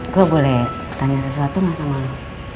gue boleh tanya sesuatu gak sama lo